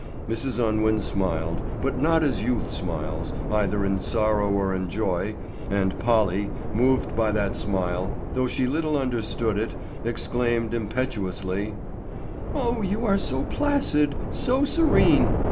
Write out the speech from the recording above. Mrs. Unwin smiled, but not as youth smiles, either in sorrow or in joy, and Polly, moved by that smile, though she little understood it, exclaimed impetuously: "Oh, you are so placid, so serene!